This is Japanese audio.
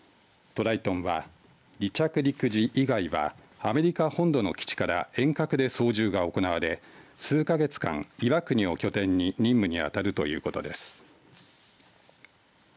トライトンは離着陸時以外はアメリカ本土の基地から遠隔で操縦が行われ数か月間、岩国を拠点に任務に当たるということです。